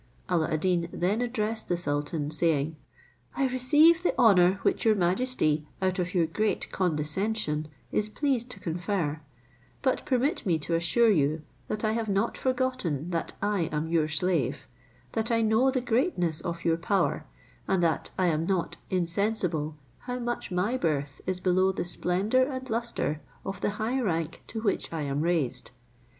Alla ad Deen then addressed the sultan, saying, "I receive the honour which your majesty out of your great condescension is pleased to confer; but permit me to assure you, that I have not forgotten that I am your slave; that I know the greatness of your power, and that I am not in sensible how much my birth is below the splendour and lustre of the high rank to which I am raised.